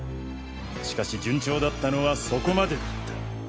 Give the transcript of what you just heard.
しかし順調だったのはそこまでだった。